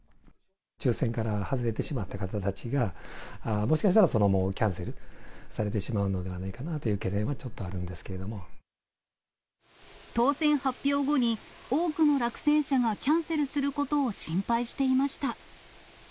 抽せんから外れてしまった方たちが、もしかしたらキャンセルされてしまうのではないかなという懸念は、当せん発表後に多くの落選者がキャンセルすることを心配していました。